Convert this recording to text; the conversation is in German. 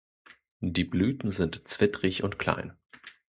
Die Blüten sind zwittrig und klein.